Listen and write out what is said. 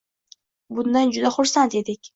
Bundan juda xursand edik